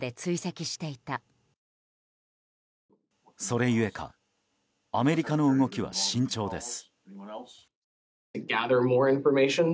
それゆえかアメリカの動きは慎重です。